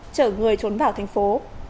chở người trốn vào thành phố